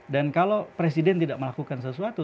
dan kalau presiden tidak melakukan sesuatu